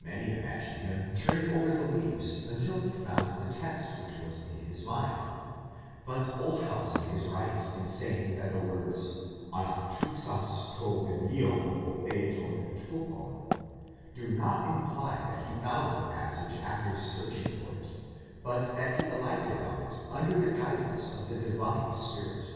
Many imagine him turning over the leaves until he found the text which was in his mind :4 but Olshausen is right in saying that the words ἀναπτύξας τὸ βιβλίον εὗρε τὸν τόπον do not imply that he found the passage after searching for it, but that he alighted on it under the guidance of the Divine Spirit.